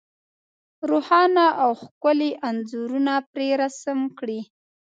روښانه او ښکلي انځورونه پرې رسم کړي.